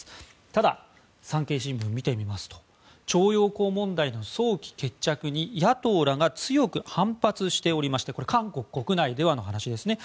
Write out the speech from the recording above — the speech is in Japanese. ただ、産経新聞を見てみますと徴用工問題の早期決着に野党らが強く反発しておりましてこれは韓国国内ではの話ですね。